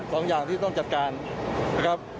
สองอย่างที่ต้องจัดการนะครับ